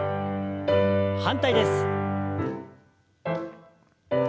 反対です。